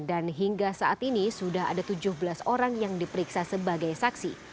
dan hingga saat ini sudah ada tujuh belas orang yang diperiksa sebagai saksi